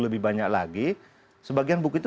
lebih banyak lagi sebagian bukit itu